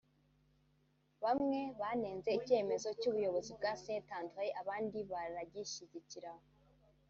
Bamwe banenze icyemezo cy’ubuyobozi bwa Saint Andre abandi baragishyigikira